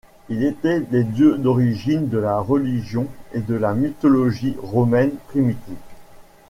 Ils étaient les dieux d'origine de la religion et de la mythologie romaines primitives.